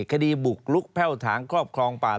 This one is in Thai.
คดีบุกลุกแพ่วถางครอบครองป่า